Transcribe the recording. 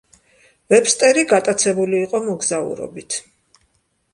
ვებსტერი გატაცებული იყო მოგზაურობით.